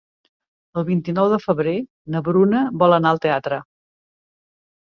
El vint-i-nou de febrer na Bruna vol anar al teatre.